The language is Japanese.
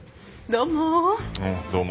どうも。